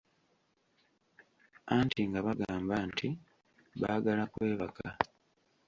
Anti nga bagamba nti baagala kwebaka.